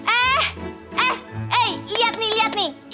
eh eh eh lihat nih lihat nih